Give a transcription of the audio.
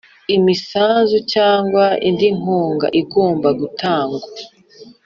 imisanzu cyangwa indi nkunga igomba gutangwa